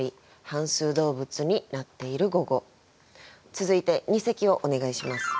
続いて二席をお願いします。